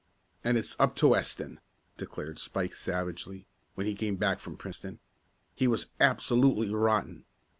"And it's up to Weston!" declared Spike savagely, when he came back from Princeton. "He was absolutely rotten.